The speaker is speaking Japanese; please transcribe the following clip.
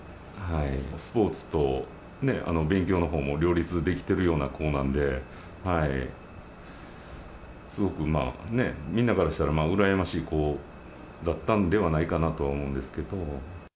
スポーツと勉強のほうも両立できてるような子なんで、すごくまあ、ねえ、みんなからしたら、羨ましい子だったんではないかなとは思うんですけど。